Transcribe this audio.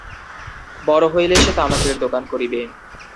বড় হইলে সে তামাকের দোকান করিবে।